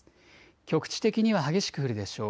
局地的には激しく降るでしょう。